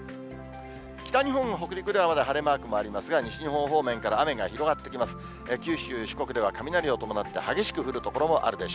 北日本や北陸ではまだ晴れマークもありますが、西日本方面から雨が広がってきます。